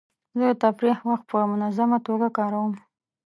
زه د تفریح وخت په منظمه توګه کاروم.